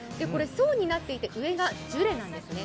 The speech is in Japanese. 層になっていて、上がジュレなんですね。